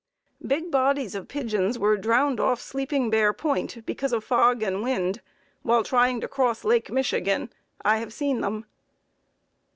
Big bodies of pigeons were drowned off Sleeping Bear Point because of fog and wind, while trying to cross Lake Michigan. I have seen them.